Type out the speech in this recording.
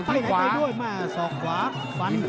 กินขวา